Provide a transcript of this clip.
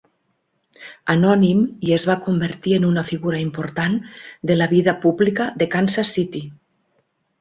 Anònim" i es va convertir en una figura important de la vida pública de Kansas City.